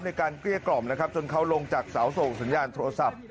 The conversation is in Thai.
เกลี้ยกล่อมนะครับจนเขาลงจากเสาส่งสัญญาณโทรศัพท์